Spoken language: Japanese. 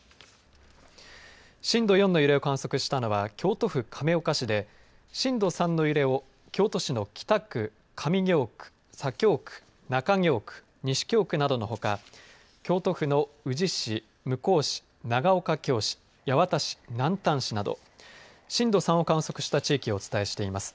震度４の揺れを観測したのは京都府亀岡市で震度３の揺れを京都市の北区、上京区、左京区中京区、西京区などのほか京都府の宇治市、向日市長岡京市八幡市、南丹市など震度３を観測した地域をお伝えしています。